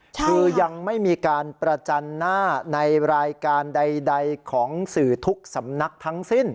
คือยังไม่มีการประจันหน้าในรายการใดของสื่อทุกสำนักทั้งสิ้น